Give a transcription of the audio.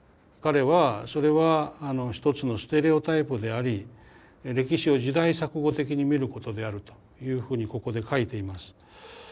彼はそれは一つのステレオタイプであり歴史を時代錯誤的に見ることであるというふうにここで書いています。